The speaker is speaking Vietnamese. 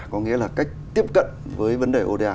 có nghĩa là cách tiếp cận với vấn đề oda